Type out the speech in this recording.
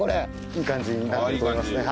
いい感じになっていると思いますね。